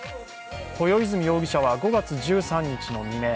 豊泉容疑者は５月１３日の未明